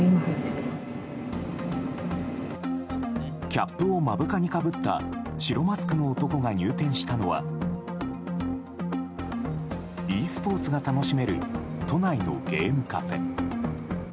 キャップを目深にかぶった白マスクの男が入店したのはｅスポーツが楽しめる都内のゲームカフェ。